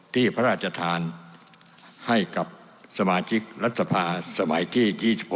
พระราชทานให้กับสมาชิกรัฐสภาสมัยที่๒๖